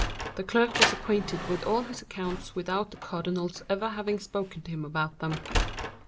The clerk was acquainted with all his accounts without the cardinal's ever having spoken to him about them.